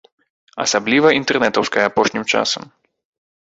Асабліва інтэрнэтаўская апошнім часам.